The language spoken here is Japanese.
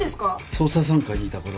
捜査三課にいたころ